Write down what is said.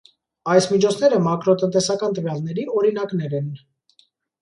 Այս միջոցները մակրոտնտեսական տվյալների օրինակներ են։